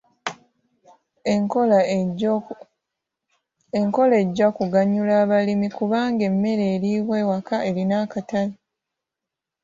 Enkola ejja kuganyula abalimi kubanga emmere eriibwa awaka erina akatale.